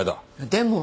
でも。